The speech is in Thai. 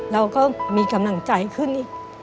เราก็มีกำลังใจขึ้นอีก